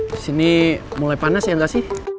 disini mulai panas ya gak sih